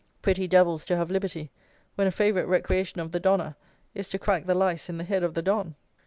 Pretty devils to have liberty, when a favourite recreation of the Donna is to crack the lice in the head of the Don!